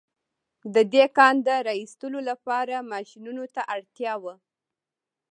د دې کان د را ايستلو لپاره ماشينونو ته اړتيا وه.